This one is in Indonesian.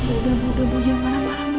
udah bu udah bu jangan malu malu